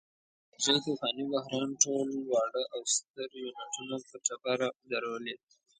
د انرژۍ طوفاني بحران ټول واړه او ستر یونټونه په ټپه درولي.